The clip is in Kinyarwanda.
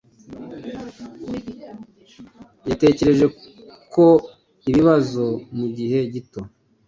Yatekereje ku kibazo mu gihe gito.